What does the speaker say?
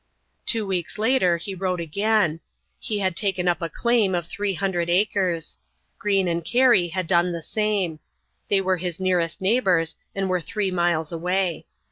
Two weeks later he wrote again. He had taken up a claim of three hundred acres. Greene and Cary had done the same. They were his nearest neighbours and were three miles away.